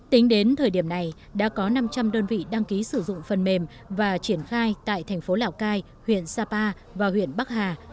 tính đến thời điểm này đã có năm trăm linh đơn vị đăng ký sử dụng phần mềm và triển khai tại thành phố lào cai huyện sapa và huyện bắc hà